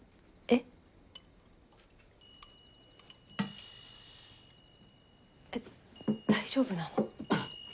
えっ大丈夫なの？